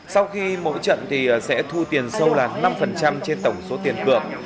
sau khi mỗi trận thì sẽ thu tiền sâu là năm trên tổng số tiền cược